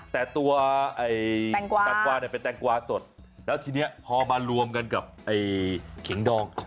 แต่ตัวแตงกวาเนี่ยเป็นแตงกวาสดแล้วทีนี้พอมารวมกันกับขิงดอง